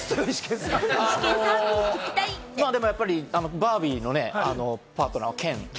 バービーのパートナーのケン。